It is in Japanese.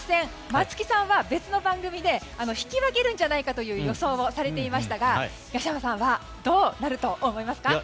松木さんは別の番組で引き分けるんじゃないかという予想をされていましたが東山さんはどうなると思いますか？